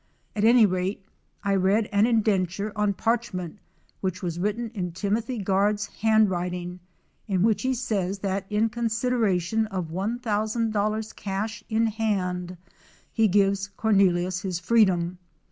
At any rate I read an indenture on parchment which was written in Timothy Guard's handwriting in which he says that in consideration of $1,000,00, cash in hand, he gives Cornelius his free dom.